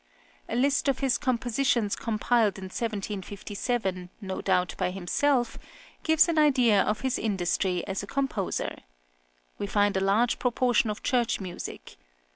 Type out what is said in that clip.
A list of his compositions compiled in 1757, no doubt by himself, gives an idea of his industry as a composer. We find a large proportion of church music.